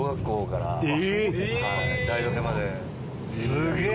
すげえ！